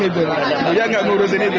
beliau nggak paham itu beliau nggak ngurusin itu